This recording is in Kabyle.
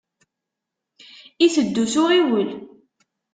Iteddu s uɣiwel.